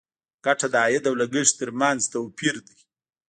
ګټه د عاید او لګښت تر منځ توپیر دی.